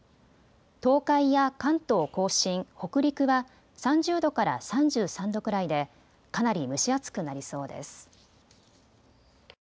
東海や関東甲信、北陸は３０度から３３度くらいでかなり蒸し暑くなりそうです。